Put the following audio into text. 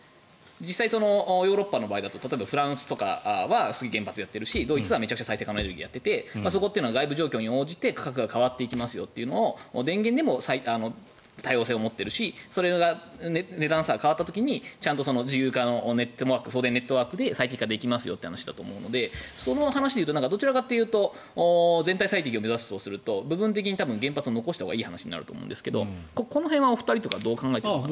実際、ヨーロッパの場合だと例えばフランスとかは原発をやっているしドイツはめちゃくちゃ再生可能エネルギーをやっていてそこというのは外部状況に応じて価格が変わっていきますよというのを電源でも多様性を持っているしそれが値段差が変わってきた時に自由化の送電ネットワークで最適化できますよという話だと思うのでその話でいうとどちらかというと全体最適を目指すとすると部分的に原発を残したほうがいいという話になると思うんですけどこの辺はお二人とかどう考えていますか？